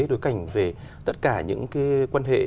đối cảnh về tất cả những quan hệ